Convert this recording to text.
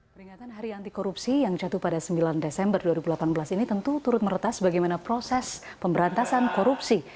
peringatan hari anti korupsi yang jatuh pada sembilan desember dua ribu delapan belas ini tentu turut meretas bagaimana proses pemberantasan korupsi